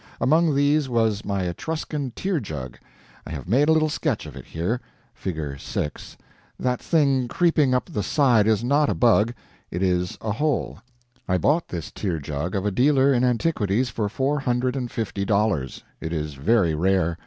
Among these was my Etruscan tear jug. I have made a little sketch of it here; that thing creeping up the side is not a bug, it is a hole. I bought this tear jug of a dealer in antiquities for four hundred and fifty dollars. It is very rare.